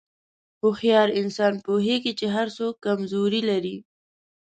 هوښیار انسان پوهېږي چې هر څوک کمزوري لري.